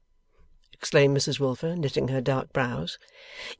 exclaimed Mrs Wilfer, knitting her dark brows.